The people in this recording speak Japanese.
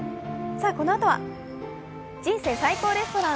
このあとは「人生最高レストラン」。